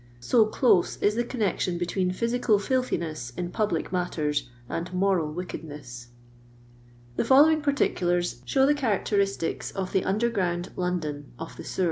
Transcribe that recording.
So clo»e is the connection between physical fllthiness in public matten and moral wickedness. The following particuUrs show the charac teristics of the underground London of tlie nwen.